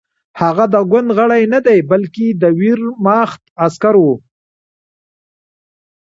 هغه د ګوند غړی نه دی بلکې د ویرماخت عسکر و